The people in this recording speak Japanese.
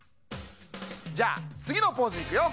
じゃあつぎのポーズいくよ。